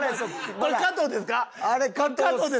これ加藤ですか？